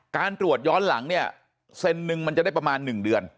การตรวจย้อนหลังเนี่ยเซนนึงมันจะได้ประมาณ๑เดือน